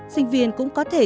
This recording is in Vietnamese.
sinh viên cũng có thể